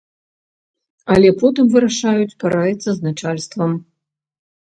Але потым вырашаюць параіцца з начальствам.